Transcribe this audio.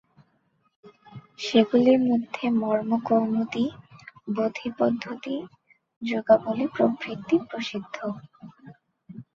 সেগুলির মধ্যে মর্মকৌমুদী, বোধিপদ্ধতি, যোগাবলী প্রভৃতি প্রসিদ্ধ।